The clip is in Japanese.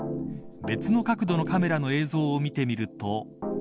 別の角度の映像を見てみると。